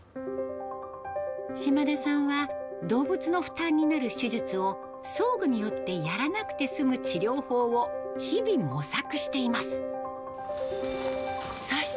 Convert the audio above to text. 島田さんは動物の負担になる手術を、装具によってやらなくて済む治療法を日々、模索しています。